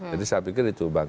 jadi saya pikir itu bang